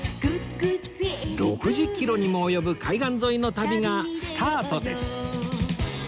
６０キロにも及ぶ海岸沿いの旅がスタートです！